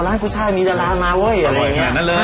งั้นกุฏชัยมีดาร้านมาเว้ย